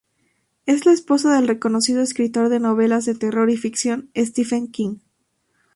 Es la esposa del reconocido escritor de novelas de terror y ficción Stephen King.